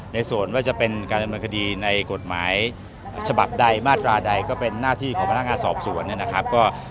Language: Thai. ในส่วนว่าจะเป็นการดำเนินคดีในกฎหมายฉบับใดมาตราใดก็เป็นหน้าที่ของพนักงานสอบสวนนะครับ